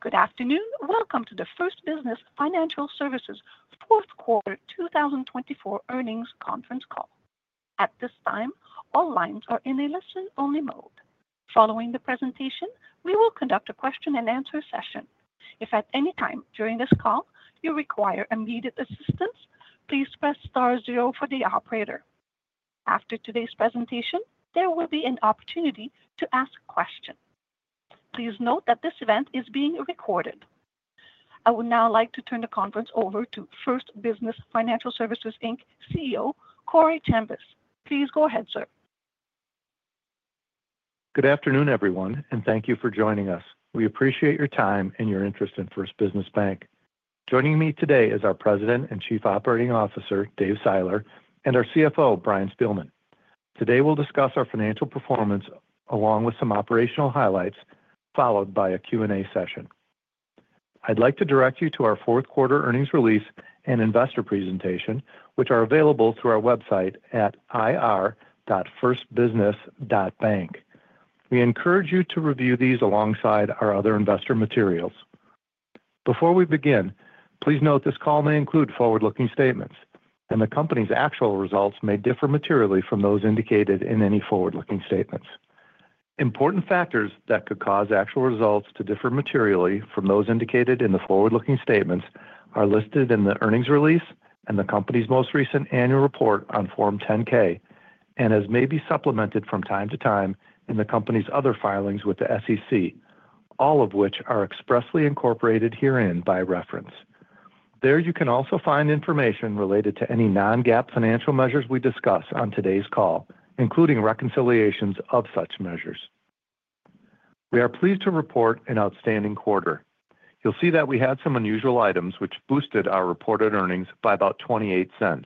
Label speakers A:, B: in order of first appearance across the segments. A: Good afternoon. Welcome to the First Business Financial Services Fourth Quarter 2024 earnings conference call. At this time, all lines are in a listen-only mode. Following the presentation, we will conduct a question-and-answer session. If at any time during this call you require immediate assistance, please press star zero for the operator. After today's presentation, there will be an opportunity to ask a question. Please note that this event is being recorded. I would now like to turn the conference over to First Business Financial Services Inc. CEO, Corey Chambas. Please go ahead, sir.
B: Good afternoon, everyone, and thank you for joining us. We appreciate your time and your interest in First Business Bank. Joining me today is our President and Chief Operating Officer, Dave Seiler, and our CFO, Brian Spielman. Today we'll discuss our financial performance along with some operational highlights, followed by a Q&A session. I'd like to direct you to our fourth quarter earnings release and investor presentation, which are available through our website at ir.firstbusiness.bank. We encourage you to review these alongside our other investor materials. Before we begin, please note this call may include forward-looking statements, and the company's actual results may differ materially from those indicated in any forward-looking statements. Important factors that could cause actual results to differ materially from those indicated in the forward-looking statements are listed in the earnings release and the company's most recent annual report on Form 10-K, and as may be supplemented from time to time in the company's other filings with the SEC, all of which are expressly incorporated herein by reference. There you can also find information related to any non-GAAP financial measures we discuss on today's call, including reconciliations of such measures. We are pleased to report an outstanding quarter. You'll see that we had some unusual items which boosted our reported earnings by about $0.28.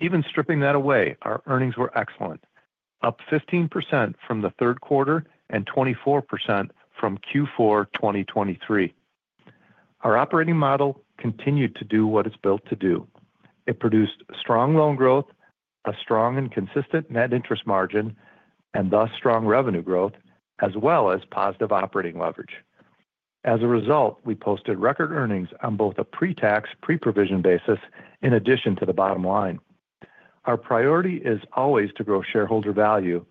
B: Even stripping that away, our earnings were excellent, up 15% from the third quarter and 24% from Q4 2023. Our operating model continued to do what it's built to do. It produced strong loan growth, a strong and consistent net interest margin, and thus strong revenue growth, as well as positive operating leverage. As a result, we posted record earnings on both a pre-tax, pre-provision basis in addition to the bottom line. Our priority is always to grow shareholder value,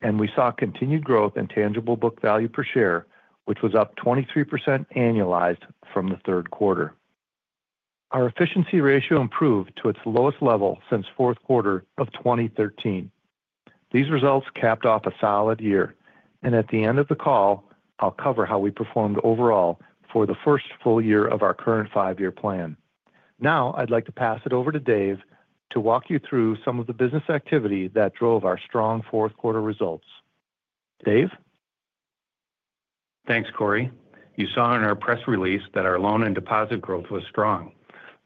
B: and we saw continued growth in tangible book value per share, which was up 23% annualized from the third quarter. Our efficiency ratio improved to its lowest level since fourth quarter of 2013. These results capped off a solid year, and at the end of the call, I'll cover how we performed overall for the first full year of our current five-year plan. Now I'd like to pass it over to Dave to walk you through some of the business activity that drove our strong fourth quarter results. David?
C: Thanks, Corey. You saw in our press release that our loan and deposit growth was strong.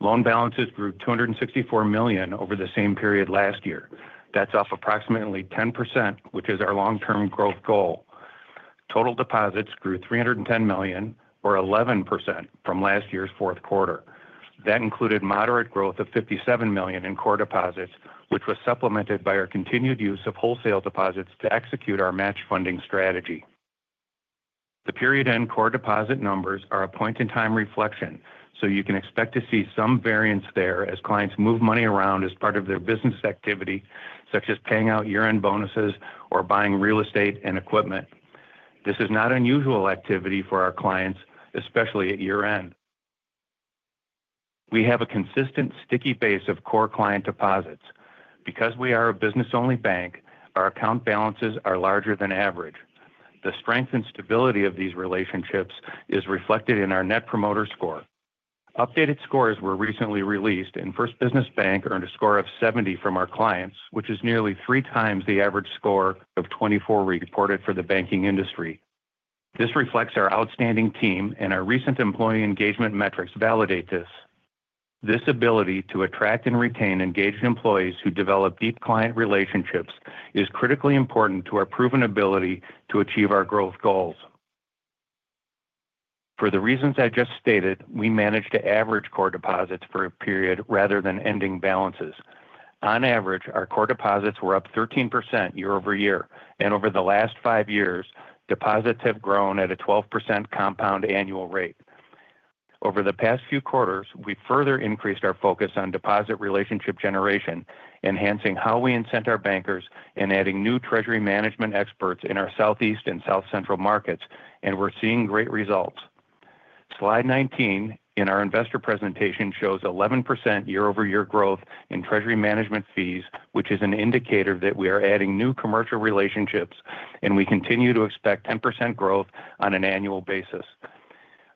C: Loan balances grew $264 million over the same period last year. That's up approximately 10%, which is our long-term growth goal. Total deposits grew $310 million, or 11%, from last year's fourth quarter. That included moderate growth of $57 million in core deposits, which was supplemented by our continued use of wholesale deposits to execute our match funding strategy. The period-end core deposit numbers are a point-in-time reflection, so you can expect to see some variance there as clients move money around as part of their business activity, such as paying out year-end bonuses or buying real estate and equipment. This is not unusual activity for our clients, especially at year-end. We have a consistent, sticky base of core client deposits. Because we are a business-only bank, our account balances are larger than average. The strength and stability of these relationships is reflected in our Net Promoter Score. Updated scores were recently released, and First Business Bank earned a score of 70 from our clients, which is nearly three times the average score of 24 reported for the banking industry. This reflects our outstanding team, and our recent employee engagement metrics validate this. This ability to attract and retain engaged employees who develop deep client relationships is critically important to our proven ability to achieve our growth goals. For the reasons I just stated, we managed to average core deposits for a period rather than ending balances. On average, our core deposits were up 13% year over year, and over the last five years, deposits have grown at a 12% compound annual rate. Over the past few quarters, we further increased our focus on deposit relationship generation, enhancing how we incent our bankers and adding new treasury management experts in our Southeast and South Central markets, and we're seeing great results. Slide 19 in our investor presentation shows 11% year-over-year growth in treasury management fees, which is an indicator that we are adding new commercial relationships, and we continue to expect 10% growth on an annual basis.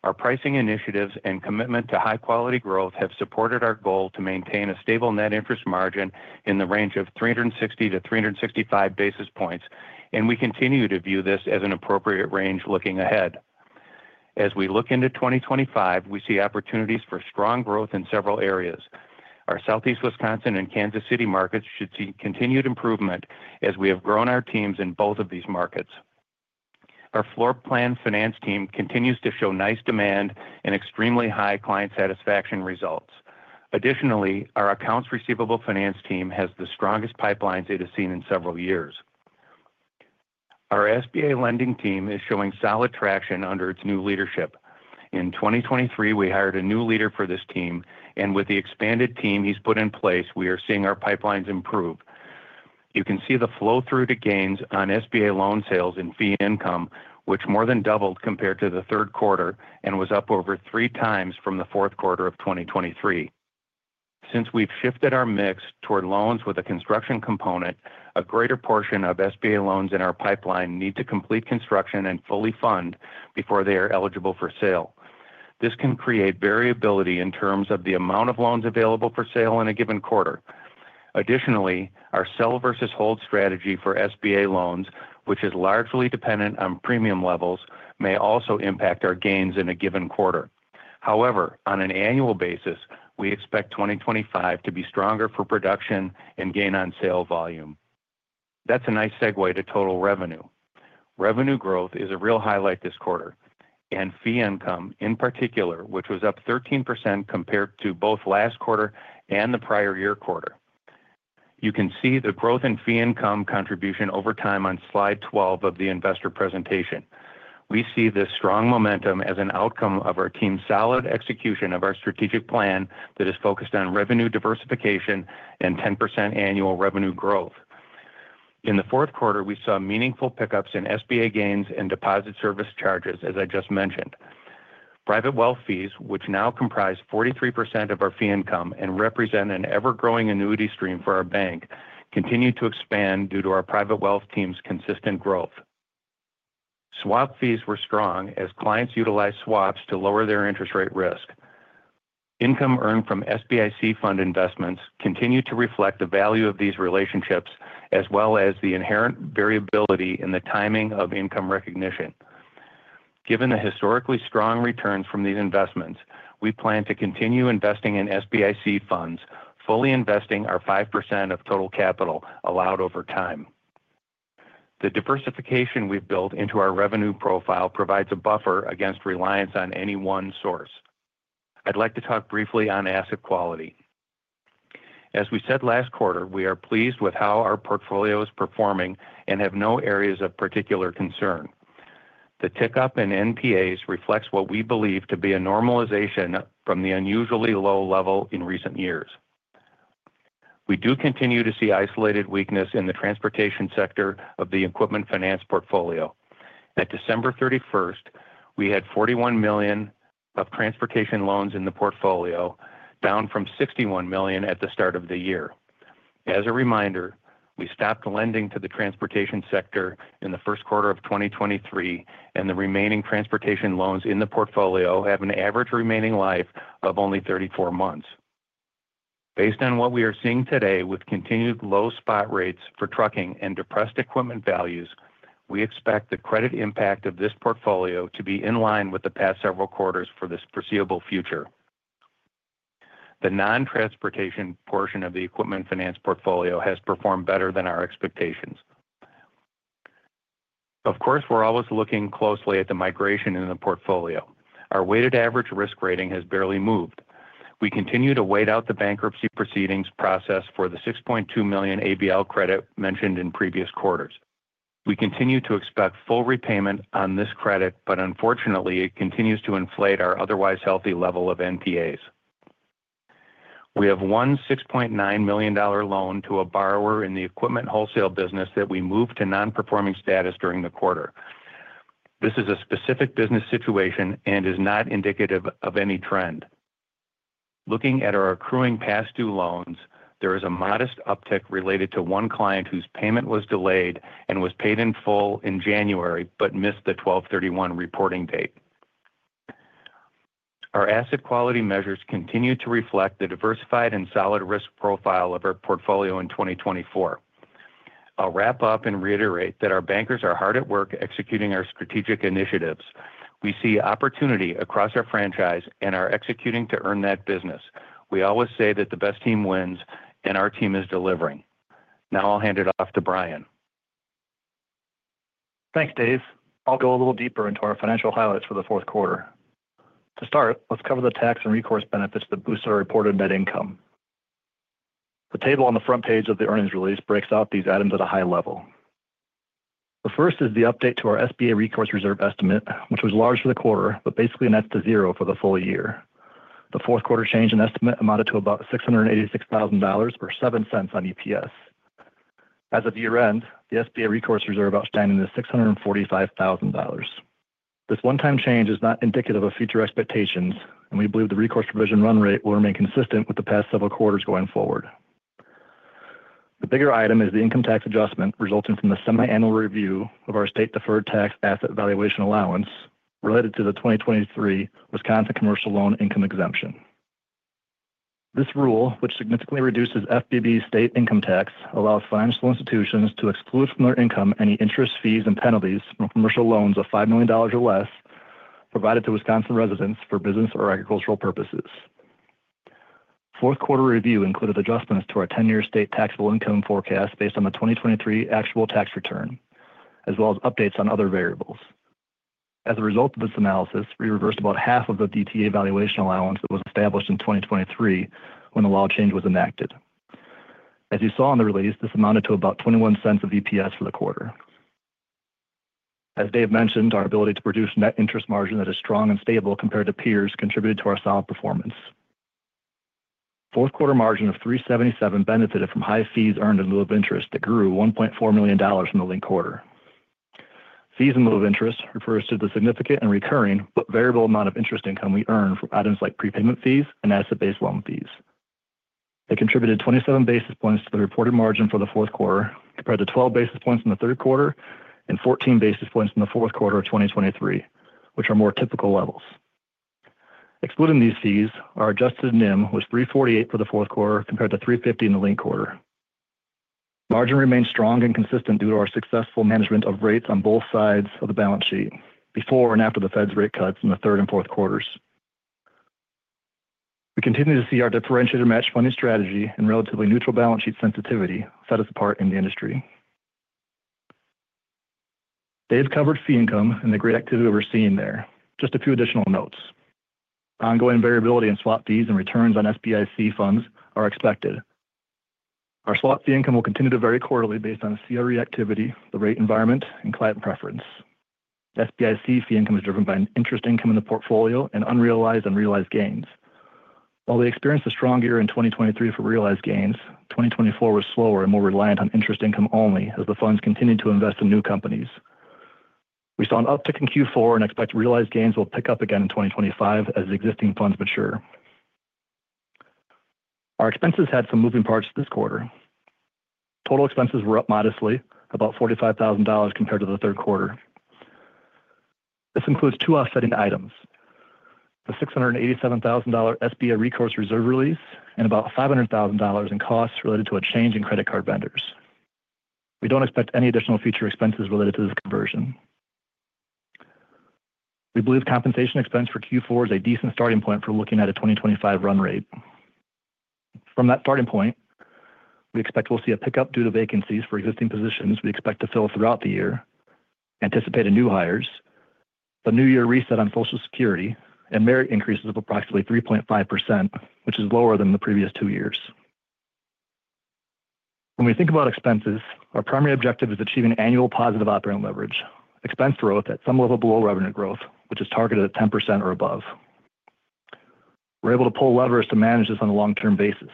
C: Our pricing initiatives and commitment to high-quality growth have supported our goal to maintain a stable net interest margin in the range of 360 to 365 basis points, and we continue to view this as an appropriate range looking ahead. As we look into 2025, we see opportunities for strong growth in several areas. Our Southeast Wisconsin and Kansas City markets should see continued improvement as we have grown our teams in both of these markets. Our floor plan finance team continues to show nice demand and extremely high client satisfaction results. Additionally, our accounts receivable finance team has the strongest pipelines it has seen in several years. Our SBA lending team is showing solid traction under its new leadership. In 2023, we hired a new leader for this team, and with the expanded team he's put in place, we are seeing our pipelines improve. You can see the flow-through to gains on SBA loan sales and fee income, which more than doubled compared to the third quarter and was up over three times from the fourth quarter of 2023. Since we've shifted our mix toward loans with a construction component, a greater portion of SBA loans in our pipeline need to complete construction and fully fund before they are eligible for sale. This can create variability in terms of the amount of loans available for sale in a given quarter. Additionally, our sell versus hold strategy for SBA loans, which is largely dependent on premium levels, may also impact our gains in a given quarter. However, on an annual basis, we expect 2025 to be stronger for production and gain on sale volume. That's a nice segue to total revenue. Revenue growth is a real highlight this quarter, and fee income in particular, which was up 13% compared to both last quarter and the prior year quarter. You can see the growth in fee income contribution over time on slide 12 of the investor presentation. We see this strong momentum as an outcome of our team's solid execution of our strategic plan that is focused on revenue diversification and 10% annual revenue growth. In the fourth quarter, we saw meaningful pickups in SBA gains and deposit service charges, as I just mentioned. Private wealth fees, which now comprise 43% of our fee income and represent an ever-growing annuity stream for our bank, continue to expand due to our private wealth team's consistent growth. Swap fees were strong as clients utilized swaps to lower their interest rate risk. Income earned from SBIC fund investments continue to reflect the value of these relationships, as well as the inherent variability in the timing of income recognition. Given the historically strong returns from these investments, we plan to continue investing in SBIC funds, fully investing our 5% of total capital allowed over time. The diversification we've built into our revenue profile provides a buffer against reliance on any one source. I'd like to talk briefly on asset quality. As we said last quarter, we are pleased with how our portfolio is performing and have no areas of particular concern. The tick-up in NPAs reflects what we believe to be a normalization from the unusually low level in recent years. We do continue to see isolated weakness in the transportation sector of the equipment finance portfolio. At December 31st, we had $41 million of transportation loans in the portfolio, down from $61 million at the start of the year. As a reminder, we stopped lending to the transportation sector in the first quarter of 2023, and the remaining transportation loans in the portfolio have an average remaining life of only 34 months. Based on what we are seeing today with continued low spot rates for trucking and depressed equipment values, we expect the credit impact of this portfolio to be in line with the past several quarters for this foreseeable future. The non-transportation portion of the equipment finance portfolio has performed better than our expectations. Of course, we're always looking closely at the migration in the portfolio. Our weighted average risk rating has barely moved. We continue to wait out the bankruptcy proceedings process for the $6.2 million ABL credit mentioned in previous quarters. We continue to expect full repayment on this credit, but unfortunately, it continues to inflate our otherwise healthy level of NPAs. We have one $6.9 million loan to a borrower in the equipment wholesale business that we moved to non-performing status during the quarter. This is a specific business situation and is not indicative of any trend. Looking at our accruing past-due loans, there is a modest uptick related to one client whose payment was delayed and was paid in full in January but missed the 12/31 reporting date. Our asset quality measures continue to reflect the diversified and solid risk profile of our portfolio in 2024. I'll wrap up and reiterate that our bankers are hard at work executing our strategic initiatives. We see opportunity across our franchise and are executing to earn that business. We always say that the best team wins, and our team is delivering. Now I'll hand it off to Brian.
D: Thanks, David. I'll go a little deeper into our financial highlights for the fourth quarter. To start, let's cover the tax and recourse benefits that boost our reported net income. The table on the front page of the earnings release breaks out these items at a high level. The first is the update to our SBA recourse reserve estimate, which was large for the quarter, but basically nets to zero for the full year. The fourth quarter change in estimate amounted to about $686,000 or $0.07 on EPS. As of year-end, the SBA recourse reserve outstanding is $645,000. This one-time change is not indicative of future expectations, and we believe the recourse provision run rate will remain consistent with the past several quarters going forward. The bigger item is the income tax adjustment resulting from the semi-annual review of our state-deferred tax asset valuation allowance related to the 2023 Wisconsin commercial loan income exemption. This rule, which significantly reduces FBB state income tax, allows financial institutions to exclude from their income any interest, fees, and penalties from commercial loans of $5 million or less provided to Wisconsin residents for business or agricultural purposes. Fourth quarter review included adjustments to our 10-year state taxable income forecast based on the 2023 actual tax return, as well as updates on other variables. As a result of this analysis, we reversed about half of the DTA valuation allowance that was established in 2023 when the law change was enacted. As you saw in the release, this amounted to about $0.21 of EPS for the quarter. As Dave mentioned, our ability to produce net interest margin that is strong and stable compared to peers contributed to our solid performance. Fourth quarter margin of 377 benefited from high fees earned in lieu of interest that grew $1.4 million in the third quarter. Fees in lieu of interest refers to the significant and recurring but variable amount of interest income we earned from items like prepayment fees and asset-based loan fees. They contributed 27 basis points to the reported margin for the fourth quarter compared to 12 basis points in the third quarter and 14 basis points in the fourth quarter of 2023, which are more typical levels. Excluding these fees, our adjusted NIM was 348 for the fourth quarter compared to 350 in the third quarter. Margin remained strong and consistent due to our successful management of rates on both sides of the balance sheet before and after the Fed's rate cuts in the third and fourth quarters. We continue to see our differentiated match funding strategy and relatively neutral balance sheet sensitivity set us apart in the industry. Dave covered fee income and the great activity we're seeing there. Just a few additional notes. Ongoing variability in swap fees and returns on SBIC funds are expected. Our swap fee income will continue to vary quarterly based on CRE activity, the rate environment, and client preference. SBIC fee income is driven by interest income in the portfolio and unrealized and realized gains. While we experienced a strong year in 2023 for realized gains, 2024 was slower and more reliant on interest income only as the funds continued to invest in new companies. We saw an uptick in Q4 and expect realized gains will pick up again in 2025 as existing funds mature. Our expenses had some moving parts this quarter. Total expenses were up modestly, about $45,000 compared to the third quarter. This includes two offsetting items: the $687,000 SBA recourse reserve release and about $500,000 in costs related to a change in credit card vendors. We don't expect any additional future expenses related to this conversion. We believe compensation expense for Q4 is a decent starting point for looking at a 2025 run rate. From that starting point, we expect we'll see a pickup due to vacancies for existing positions we expect to fill throughout the year, anticipate new hires, a new year reset on Social Security, and merit increases of approximately 3.5%, which is lower than the previous two years. When we think about expenses, our primary objective is achieving annual positive operating leverage, expense growth at some level below revenue growth, which is targeted at 10% or above. We're able to pull levers to manage this on a long-term basis.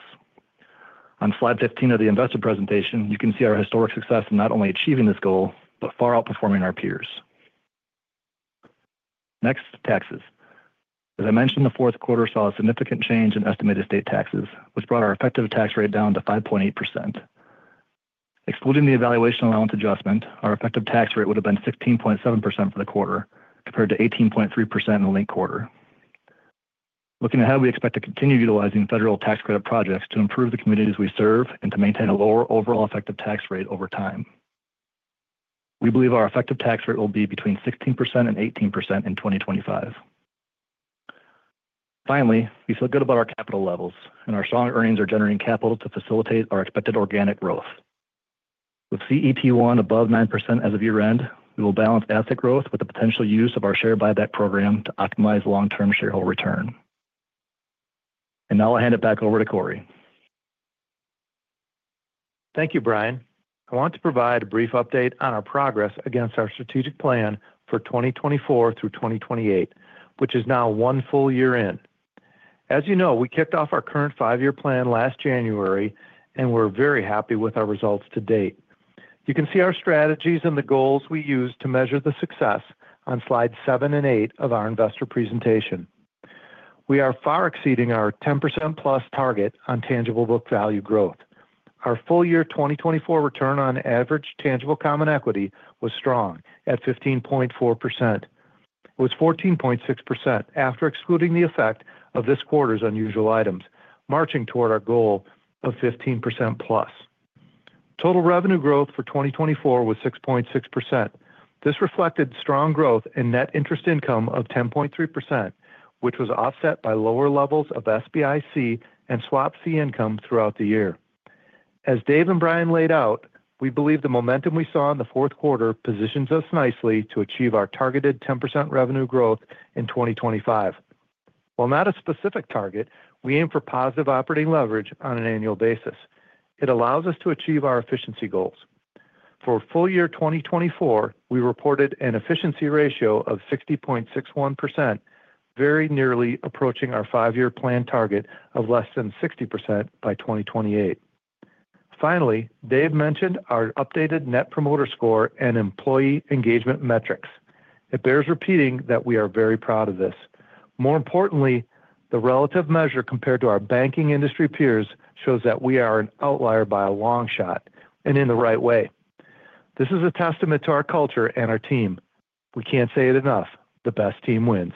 D: On slide 15 of the investor presentation, you can see our historic success in not only achieving this goal but far outperforming our peers. Next, taxes. As I mentioned, the fourth quarter saw a significant change in estimated state taxes, which brought our effective tax rate down to 5.8%. Excluding the valuation allowance adjustment, our effective tax rate would have been 16.7% for the quarter compared to 18.3% in the last quarter. Looking ahead, we expect to continue utilizing federal tax credit projects to improve the communities we serve and to maintain a lower overall effective tax rate over time. We believe our effective tax rate will be between 16% and 18% in 2025. Finally, we feel good about our capital levels, and our strong earnings are generating capital to facilitate our expected organic growth. With CET1 above 9% as of year-end, we will balance asset growth with the potential use of our share buyback program to optimize long-term shareholder return. And now I'll hand it back over to Corey.
B: Thank you, Brian. I want to provide a brief update on our progress against our strategic plan for 2024 through 2028, which is now one full year in. As you know, we kicked off our current five-year plan last January, and we're very happy with our results to date. You can see our strategies and the goals we used to measure the success on slides 7 and 8 of our investor presentation. We are far exceeding our 10% plus target on tangible book value growth. Our full year 2024 return on average tangible common equity was strong at 15.4%. It was 14.6% after excluding the effect of this quarter's unusual items, marching toward our goal of 15% plus. Total revenue growth for 2024 was 6.6%. This reflected strong growth in net interest income of 10.3%, which was offset by lower levels of SBIC and swap fee income throughout the year. As Dave and Brian laid out, we believe the momentum we saw in the fourth quarter positions us nicely to achieve our targeted 10% revenue growth in 2025. While not a specific target, we aim for positive operating leverage on an annual basis. It allows us to achieve our efficiency goals. For full year 2024, we reported an efficiency ratio of 60.61%, very nearly approaching our five-year plan target of less than 60% by 2028. Finally, Dave mentioned our updated net promoter score and employee engagement metrics. It bears repeating that we are very proud of this. More importantly, the relative measure compared to our banking industry peers shows that we are an outlier by a long shot, and in the right way. This is a testament to our culture and our team. We can't say it enough: the best team wins.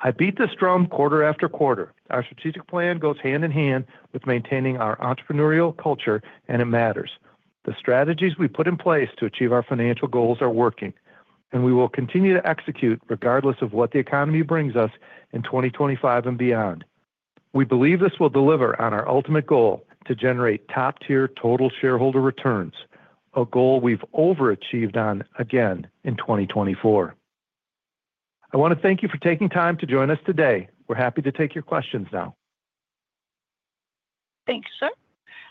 B: I beat this drum quarter after quarter. Our strategic plan goes hand in hand with maintaining our entrepreneurial culture, and it matters. The strategies we put in place to achieve our financial goals are working, and we will continue to execute regardless of what the economy brings us in 2025 and beyond. We believe this will deliver on our ultimate goal to generate top-tier total shareholder returns, a goal we've overachieved on again in 2024. I want to thank you for taking time to join us today. We're happy to take your questions now.
A: Thank you, sir.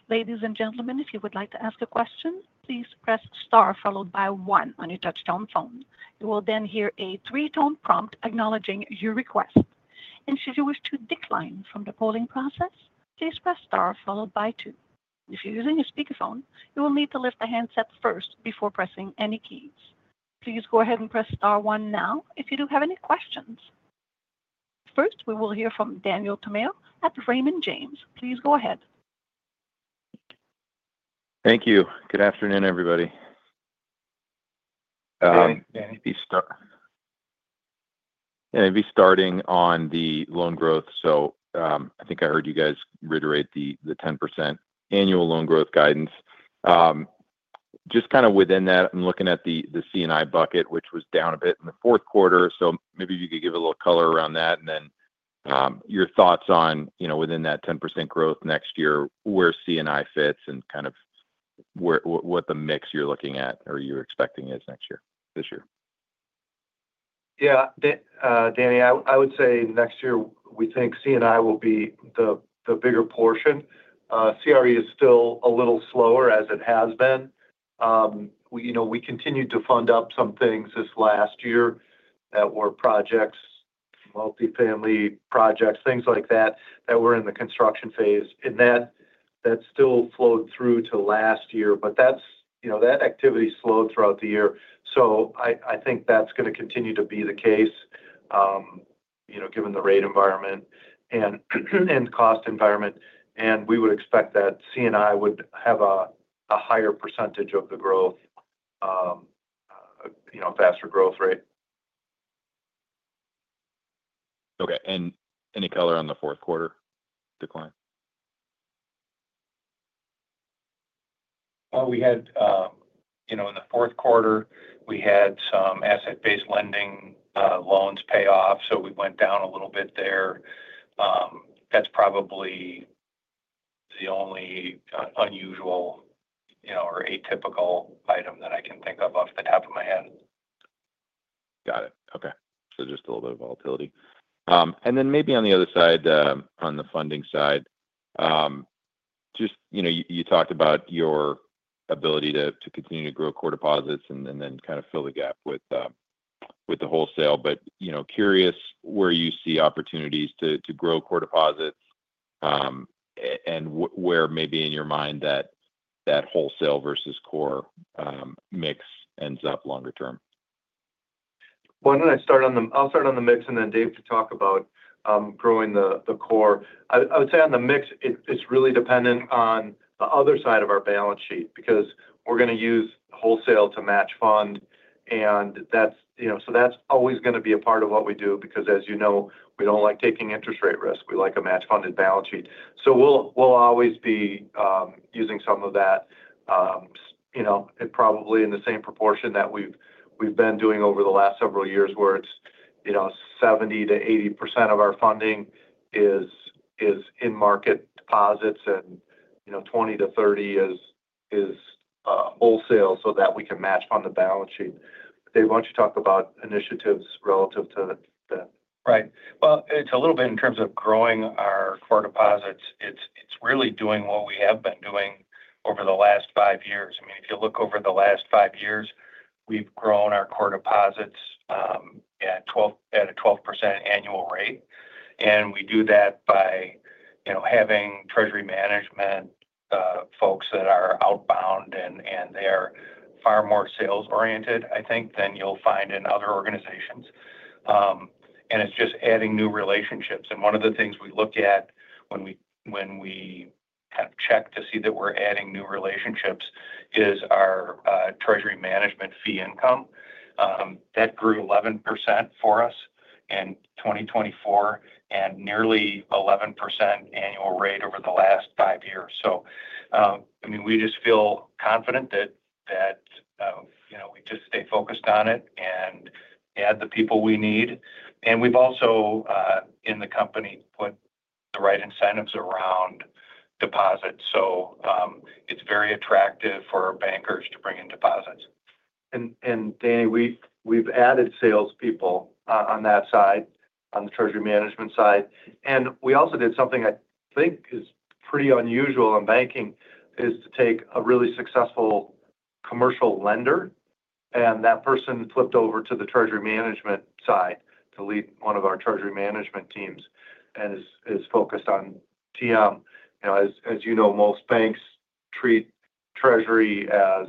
A: Ladies and gentlemen, if you would like to ask a question, please press star followed by One on your touch-tone phone. You will then hear a three-tone prompt acknowledging your request. And should you wish to decline from the polling process, please press star followed by Two. If you're using a speakerphone, you will need to lift the handset first before pressing any keys. Please go ahead and press Star One now if you do have any questions. First, we will hear from Daniel Tamayo at Raymond James. Please go ahead.
E: Thank you. Good afternoon, everybody.
D: Daniel, start.
E: Yeah, maybe starting on the loan growth. So I think I heard you guys reiterate the 10% annual loan growth guidance. Just kind of within that, I'm looking at the C&I bucket, which was down a bit in the fourth quarter. So maybe if you could give a little color around that and then your thoughts on within that 10% growth next year, where C&I fits and kind of what the mix you're looking at or you're expecting is next year, this year.
B: Yeah, Daniel, I would say next year we think C&I will be the bigger portion. CRE is still a little slower as it has been. We continued to fund up some things this last year that were projects, multifamily projects, things like that that were in the construction phase, and that still flowed through to last year, but that activity slowed throughout the year, so I think that's going to continue to be the case given the rate environment and cost environment, and we would expect that C&I would have a higher percentage of the growth, faster growth rate.
E: Okay, and any color on the fourth quarter decline?
B: We had in the fourth quarter, we had some asset-based lending loans pay off, so we went down a little bit there. That's probably the only unusual or atypical item that I can think of off the top of my head.
E: Got it. Okay. So just a little bit of volatility. And then maybe on the other side, on the funding side, just you talked about your ability to continue to grow core deposits and then kind of fill the gap with the wholesale, but curious where you see opportunities to grow core deposits and where maybe in your mind that wholesale versus core mix ends up longer term?
B: I'm going to start on the mix and then Dave could talk about growing the core. I would say on the mix, it's really dependent on the other side of our balance sheet because we're going to use wholesale to match fund. And so that's always going to be a part of what we do because, as you know, we don't like taking interest rate risk. We like a match funded balance sheet. So we'll always be using some of that, probably in the same proportion that we've been doing over the last several years where it's 70%-80% of our funding is in market deposits and 20%-30% is wholesale so that we can match fund the balance sheet. Dave, why don't you talk about initiatives relative to that?
E: Right. Well, it's a little bit in terms of growing our core deposits. It's really doing what we have been doing over the last five years. I mean, if you look over the last five years, we've grown our core deposits at a 12% annual rate. And we do that by having treasury management folks that are outbound, and they are far more sales-oriented, I think, than you'll find in other organizations. And it's just adding new relationships. And one of the things we look at when we have checked to see that we're adding new relationships is our treasury management fee income. That grew 11% for us in 2024 and nearly 11% annual rate over the last five years. So I mean, we just feel confident that we just stay focused on it and add the people we need. We've also, in the company, put the right incentives around deposits. It's very attractive for our bankers to bring in deposits.
B: And Daniel, we've added salespeople on that side, on the treasury management side. And we also did something I think is pretty unusual in banking, is to take a really successful commercial lender, and that person flipped over to the treasury management side to lead one of our treasury management teams and is focused on TM. As you know, most banks treat treasury as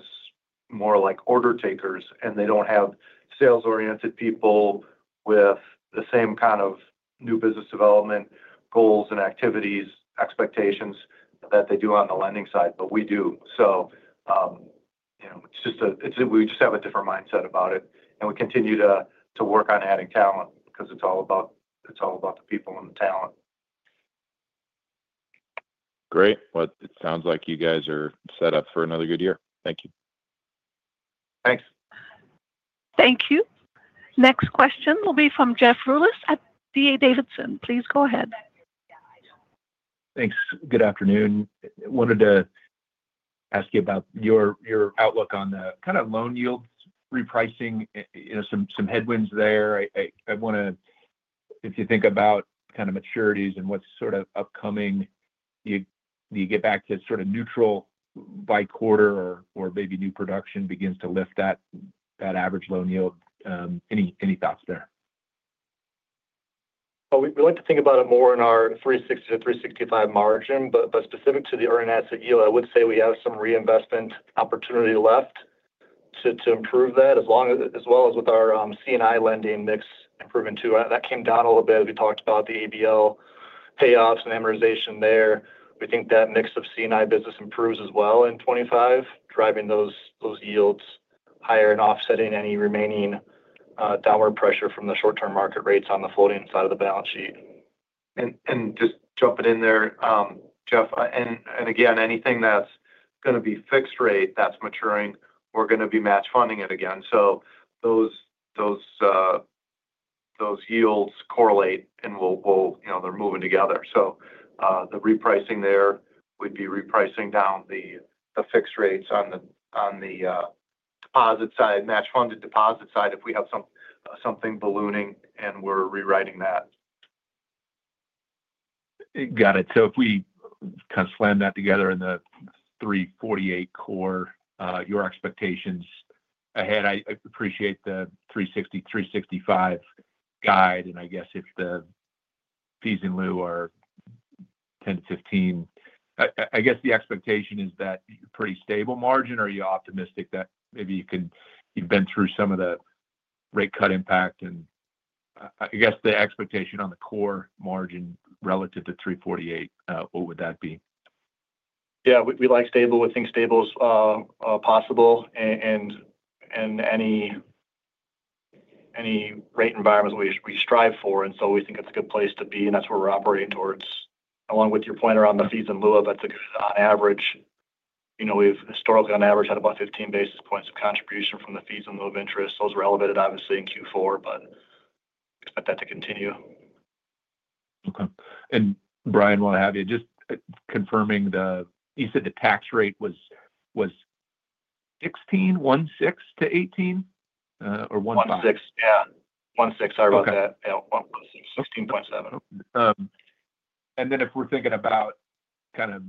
B: more like order takers, and they don't have sales-oriented people with the same kind of new business development goals and activities expectations that they do on the lending side, but we do. So it's just, we just have a different mindset about it. And we continue to work on adding talent because it's all about the people and the talent.
E: Great. Well, it sounds like you guys are set up for another good year. Thank you.
B: Thanks.
A: Thank you. Next question will be from Jeff Rulis at D.A. Davidson. Please go ahead.
F: Thanks. Good afternoon. Wanted to ask you about your outlook on the kind of loan yields repricing, some headwinds there. I want to, if you think about kind of maturities and what's sort of upcoming, do you get back to sort of neutral by quarter or maybe new production begins to lift that average loan yield? Any thoughts there?
D: We like to think about it more in our 360 to 365 margin, but specific to the earned asset yield, I would say we have some reinvestment opportunity left to improve that, as well as with our C&I lending mix improving too. That came down a little bit as we talked about the ABL payoffs and amortization there. We think that mix of C&I business improves as well in 2025, driving those yields higher and offsetting any remaining downward pressure from the short-term market rates on the floating side of the balance sheet. And just jumping in there, Jeff, and again, anything that's going to be fixed rate that's maturing, we're going to be match funding it again. So those yields correlate, and they're moving together. So the repricing there would be repricing down the fixed rates on the deposit side, match funded deposit side if we have something ballooning and we're rewriting that.
F: Got it. So if we kind of slam that together in the 3.48 core, your expectations ahead. I appreciate the 3.60, 3.65 guide. And I guess if the fees in lieu are 10-15, I guess the expectation is that pretty stable margin. Are you optimistic that maybe you've been through some of the rate cut impact? And I guess the expectation on the core margin relative to 3.48, what would that be?
D: Yeah, we like stable. We think stable is possible and any rate environment we strive for. And so we think it's a good place to be, and that's where we're operating towards. Along with your point around the fees in lieu, that's a good on average. We've historically, on average, had about 15 basis points of contribution from the fees in lieu of interest. Those were elevated, obviously, in Q4, but expect that to continue.
F: Okay. And Brian, while I have you, just confirming, you said the tax rate was 16.16% to 18% or 15%?
B: 16. Yeah. 16. I wrote that. Yeah. 16.7.
D: Then if we're thinking about kind of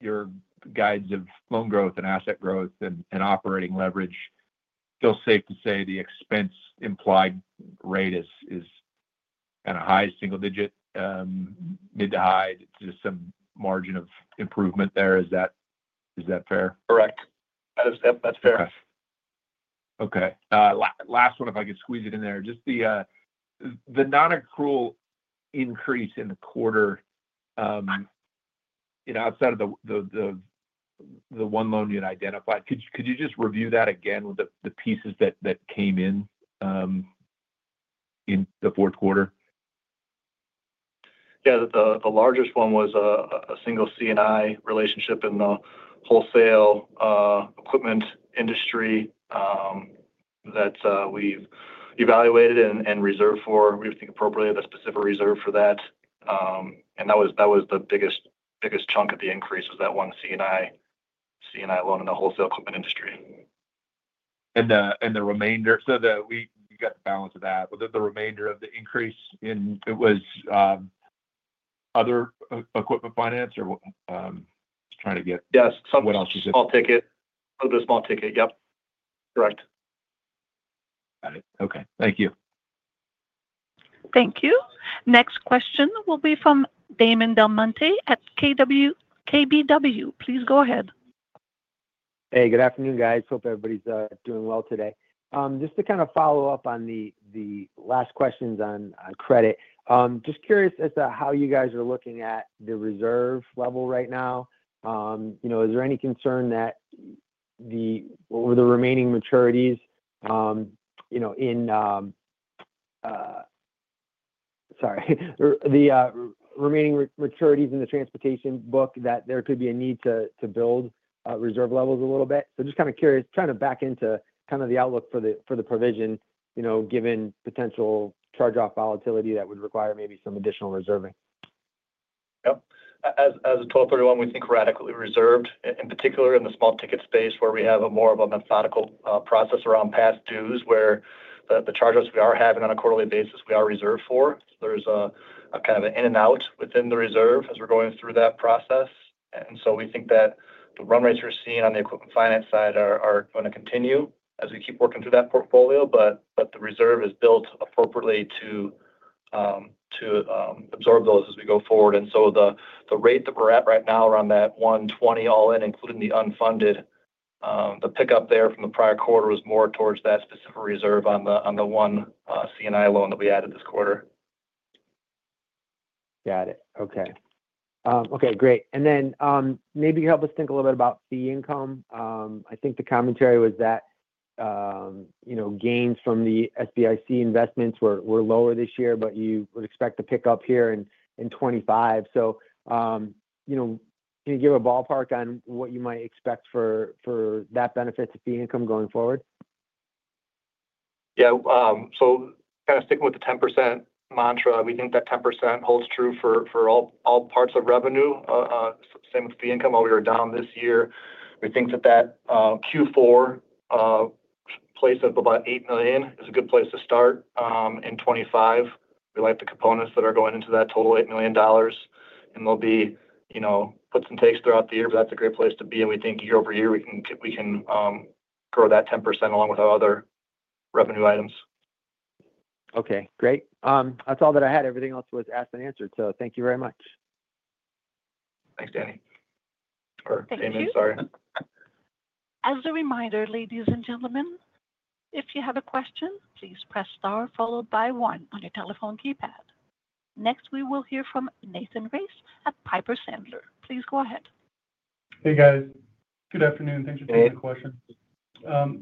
D: your guides of loan growth and asset growth and operating leverage, still safe to say the expense implied rate is kind of high single digit, mid- to high, just some margin of improvement there. Is that fair?
F: Correct. That's fair.
D: Okay.
F: Last one, if I could squeeze it in there. Just the non-accrual increase in the quarter outside of the one loan you'd identified, could you just review that again with the pieces that came in the fourth quarter?
D: Yeah. The largest one was a single C&I relationship in the wholesale equipment industry that we've evaluated and reserved for. We think appropriately of a specific reserve for that. And that was the biggest chunk of the increase was that one C&I loan in the wholesale equipment industry.
F: And the remainder, so that we got the balance of that. Was it the remainder of the increase in it? Was other equipment finance, or just trying to get what else you said?
D: Yes. Small ticket. A little bit of small ticket. Yep. Correct.
F: Got it. Okay. Thank you.
A: Thank you. Next question will be from Damon DelMonte at KBW. Please go ahead.
G: Hey, good afternoon, guys. Hope everybody's doing well today. Just to kind of follow up on the last questions on credit, just curious as to how you guys are looking at the reserve level right now. Is there any concern that over the remaining maturities in the transportation book that there could be a need to build reserve levels a little bit? So just kind of curious, trying to back into kind of the outlook for the provision given potential charge-off volatility that would require maybe some additional reserving.
B: Yep. As of 12-31, we think we're adequately reserved, in particular in the small ticket space where we have more of a methodical process around past dues where the charges we are having on a quarterly basis we are reserved for. There's a kind of an in and out within the reserve as we're going through that process. And so we think that the run rates we're seeing on the equipment finance side are going to continue as we keep working through that portfolio, but the reserve is built appropriately to absorb those as we go forward. And so the rate that we're at right now around that 120 all in, including the unfunded, the pickup there from the prior quarter was more towards that specific reserve on the one C&I loan that we added this quarter.
G: Got it. Okay. Okay. Great. And then maybe you help us think a little bit about fee income. I think the commentary was that gains from the SBIC investments were lower this year, but you would expect the pickup here in 2025. So can you give a ballpark on what you might expect for that benefit to fee income going forward?
B: Yeah. So kind of sticking with the 10% mantra, we think that 10% holds true for all parts of revenue. Same with fee income, while we were down this year, we think that that Q4 place of about $8 million is a good place to start in 2025. We like the components that are going into that total $8 million. And there'll be puts and takes throughout the year, but that's a great place to be. And we think year over year we can grow that 10% along with our other revenue items.
G: Okay. Great. That's all that I had. Everything else was asked and answered. So thank you very much.
B: Thanks, Daniel. Or Damon, sorry.
A: Thank you. As a reminder, ladies and gentlemen, if you have a question, please press star followed by one on your telephone keypad. Next, we will hear from Nathan Race at Piper Sandler. Please go ahead.
H: Hey, guys. Good afternoon. Thanks for taking the question.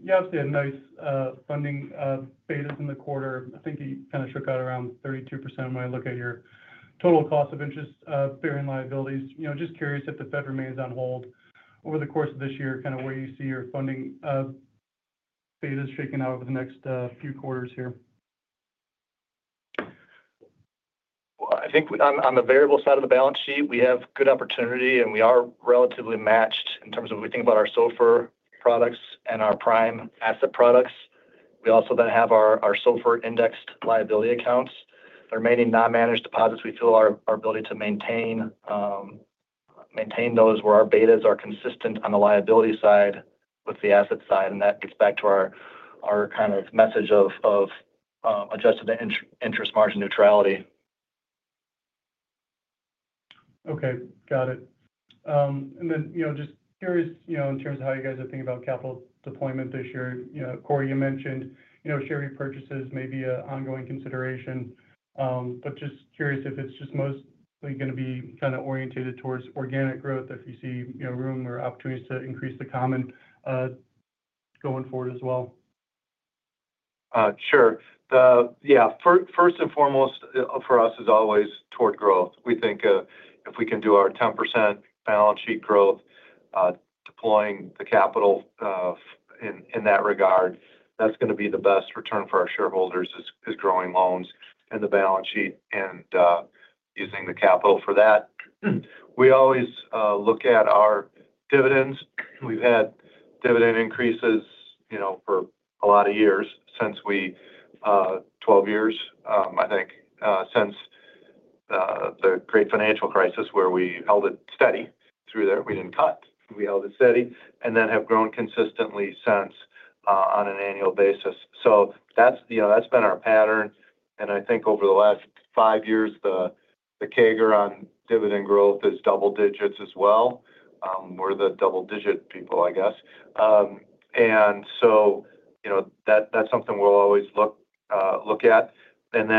H: Yeah, I'd say a nice funding beta is in the quarter. I think you kind of shook out around 32% when I look at your total cost of interest bearing liabilities. Just curious if the Fed remains on hold over the course of this year, kind of where you see your funding beta shaking out over the next few quarters here.
B: I think on the variable side of the balance sheet, we have good opportunity, and we are relatively matched in terms of we think about our SOFR products and our prime asset products. We also then have our SOFR indexed liability accounts. The remaining non-managed deposits, we feel our ability to maintain those where our betas are consistent on the liability side with the asset side. That gets back to our kind of message of adjusted interest margin neutrality.
H: Okay. Got it. And then just curious in terms of how you guys are thinking about capital deployment this year. Corey, you mentioned share repurchases may be an ongoing consideration, but just curious if it's just mostly going to be kind of orientated towards organic growth if you see room or opportunities to increase the common going forward as well.
B: Sure. Yeah. First and foremost for us is always toward growth. We think if we can do our 10% balance sheet growth, deploying the capital in that regard, that's going to be the best return for our shareholders is growing loans and the balance sheet and using the capital for that. We always look at our dividends. We've had dividend increases for a lot of years for 12 years, I think, since the great financial crisis where we held it steady through there. We didn't cut. We held it steady and then have grown consistently since on an annual basis. So that's been our pattern. And I think over the last five years, the CAGR on dividend growth is double digits as well. We're the double digit people, I guess. And so that's something we'll always look at. And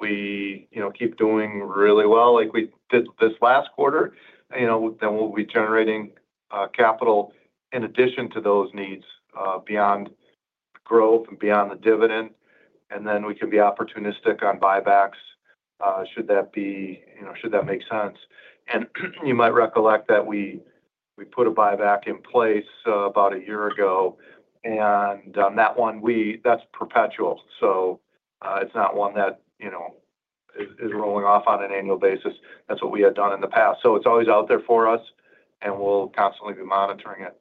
B: then if we keep doing really well like we did this last quarter, then we'll be generating capital in addition to those needs beyond growth and beyond the dividend. And then we can be opportunistic on buybacks should that make sense. And you might recollect that we put a buyback in place about a year ago. And that one, that's perpetual. So it's not one that is rolling off on an annual basis. That's what we had done in the past. So it's always out there for us, and we'll constantly be monitoring it.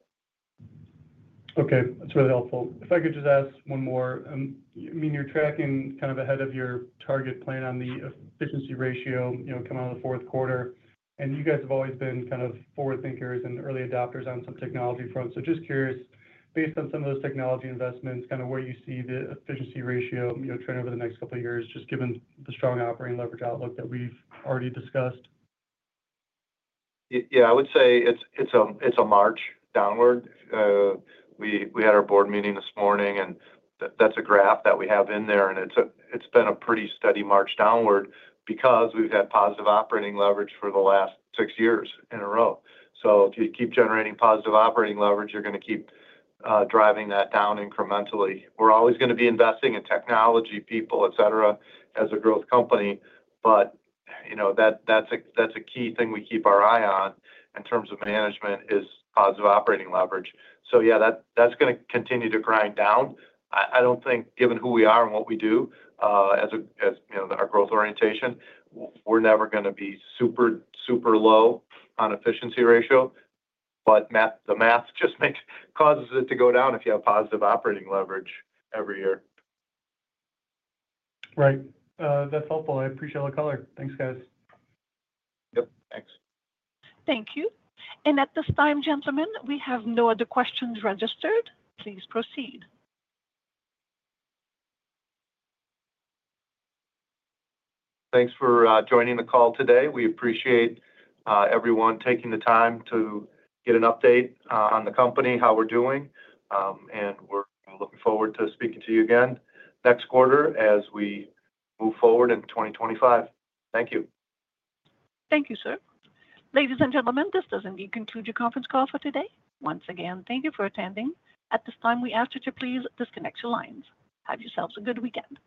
H: Okay. That's really helpful. If I could just ask one more. I mean, you're tracking kind of ahead of your target plan on the efficiency ratio coming out of the fourth quarter. And you guys have always been kind of forward thinkers and early adopters on some technology front. So just curious, based on some of those technology investments, kind of where you see the efficiency ratio trend over the next couple of years, just given the strong operating leverage outlook that we've already discussed?
B: Yeah. I would say it's a march downward. We had our board meeting this morning, and that's a graph that we have in there. And it's been a pretty steady march downward because we've had positive operating leverage for the last six years in a row. So if you keep generating positive operating leverage, you're going to keep driving that down incrementally. We're always going to be investing in technology, people, etc., as a growth company. But that's a key thing we keep our eye on in terms of management is positive operating leverage. So yeah, that's going to continue to grind down. I don't think, given who we are and what we do as our growth orientation, we're never going to be super, super low on efficiency ratio. But the math just causes it to go down if you have positive operating leverage every year.
H: Right. That's helpful. I appreciate all the color. Thanks, guys.
B: Yep. Thanks.
A: Thank you. At this time, gentlemen, we have no other questions registered. Please proceed.
B: Thanks for joining the call today. We appreciate everyone taking the time to get an update on the company, how we're doing, and we're looking forward to speaking to you again next quarter as we move forward in 2025. Thank you.
A: Thank you, sir. Ladies and gentlemen, this does indeed conclude your conference call for today. Once again, thank you for attending. At this time, we ask that you please disconnect your lines. Have yourselves a good weekend.